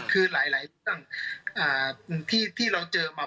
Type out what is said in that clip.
คือหลายเรื่องที่เราเจอมา